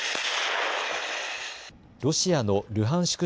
ロシアのルハンシク